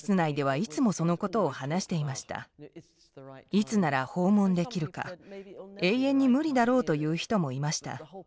いつなら訪問できるか永遠に無理だろうと言う人もいました。